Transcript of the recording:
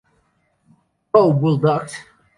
Go, bulldogs!